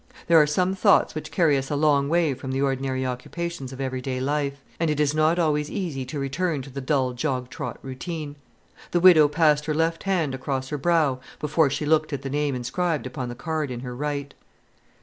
There are some thoughts which carry us a long way from the ordinary occupations of every day life, and it is not always easy to return to the dull jog trot routine. The widow passed her left hand across her brow before she looked at the name inscribed upon the card in her right.